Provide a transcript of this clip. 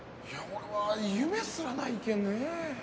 俺は夢すらないけんね。